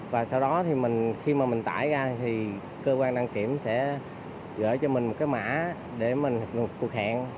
và sau đó thì khi mà mình tải ra thì cơ quan đăng kiểm sẽ gửi cho mình một cái mã để mình một cuộc hẹn